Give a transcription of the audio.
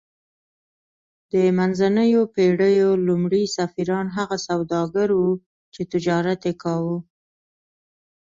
د منځنیو پیړیو لومړي سفیران هغه سوداګر وو چې تجارت یې کاوه